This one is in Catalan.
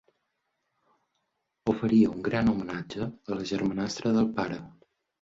Oferia un gran homenatge a la germanastra del pare.